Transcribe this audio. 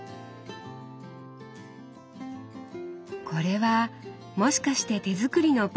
これはもしかして手作りのパンですか？